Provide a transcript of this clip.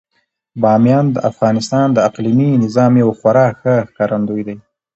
بامیان د افغانستان د اقلیمي نظام یو خورا ښه ښکارندوی دی.